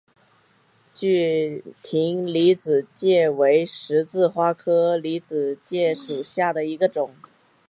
具葶离子芥为十字花科离子芥属下的一个种。